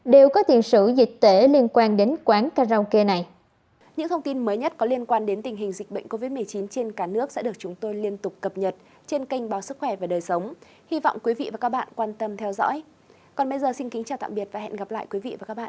đều có tiền sử dịch tễ liên quan đến quán karaoke này